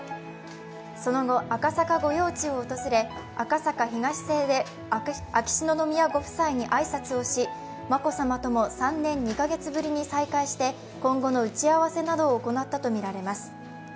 その後、赤坂御用地を訪れ、赤坂東邸で秋篠宮ご夫妻に挨拶をし、眞子さまとも３年２カ月ぶりに再会して今後の打ち合わせなどを行ったとみられます。